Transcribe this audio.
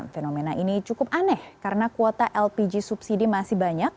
fenomena ini cukup aneh karena kuota lpg subsidi masih banyak